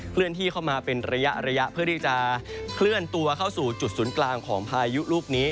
เลื่อนที่เข้ามาเป็นระยะระยะเพื่อที่จะเคลื่อนตัวเข้าสู่จุดศูนย์กลางของพายุลูกนี้